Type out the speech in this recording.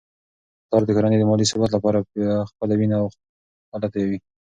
پلار د کورنی د مالي ثبات لپاره خپله وینه او خوله تویوي.